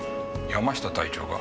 山下隊長が？